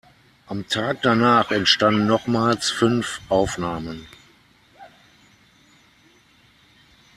Am Tag danach entstanden nochmals fünf Aufnahmen.